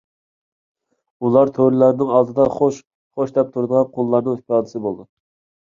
ئۇلار تۆرىلەرنىڭ ئالدىدا خوش ـ خوش دەپ تۇرىدىغان قۇللارنىڭ ئىپادىسىدە بولىدۇ.